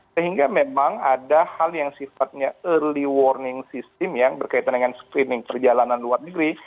sehingga memang ada hal yang sifatnya early warning system yang berkaitan dengan screening perjalanan luar negeri